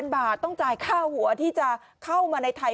บาทต้องจ่ายค่าหัวที่จะเข้ามาในไทย